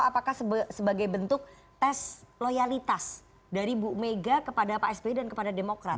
apakah sebagai bentuk tes loyalitas dari bu mega kepada pak sby dan kepada demokrat